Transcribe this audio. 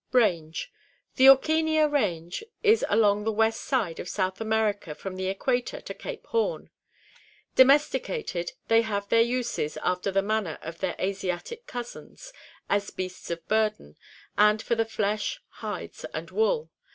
Range. — The Auchenia range is along the west side of South America from the equator to Cape Horn. Domesticated, they have their uses after the manner of their Asiatic cousins, as beasts of burden, and for the flesh, hides, and wool.